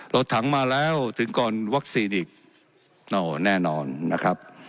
รถถังมาแล้วถึงก่อนวัคซีนอีกแน่นอนนะครับ